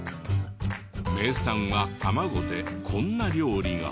名産は卵でこんな料理が。